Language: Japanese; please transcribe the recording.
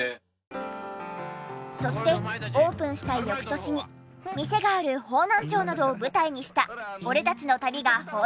そしてオープンした翌年に店がある方南町などを舞台にした『俺たちの旅』が放送開始。